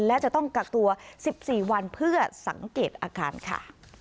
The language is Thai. และจะต้องกักตัว๑๔วันเพื่อสังเกตอาการค่ะ